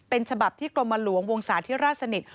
เป็นฉบับที่กรมหลวงวงศาธิราชสนิท